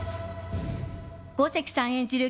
五関さん演じる